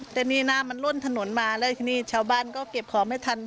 แต่นี่น้ำมันล่นถนนมาแล้วทีนี้ชาวบ้านก็เก็บของไม่ทัน